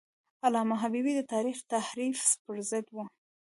علامه حبیبي د تاریخ د تحریف پر ضد و.